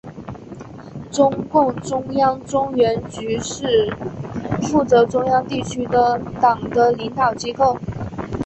中共中央中原局是负责中央地区的党的领导机构。